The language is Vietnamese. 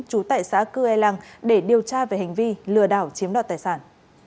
chú tại xã cư e làng để điều tra về hành vi lừa đảo chiếm đoạt tài sản